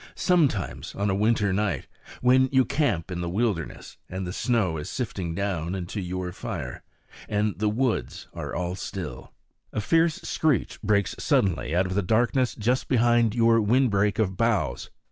Sometimes, on a winter night, when you camp in the wilderness, and the snow is sifting down into your fire, and the woods are all still, a fierce screech breaks suddenly out of the darkness just behind your wind break of boughs.